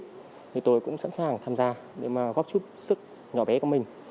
thì tôi cũng sẵn sàng tham gia để mà góp chút sức nhỏ bé của mình